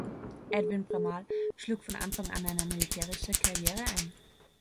Edwin Bramall schlug von Anfang an eine militärische Karriere ein.